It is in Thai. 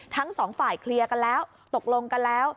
ทั้งสองฝ่ายเคลียร์กันแล้วตกลงกันแล้ว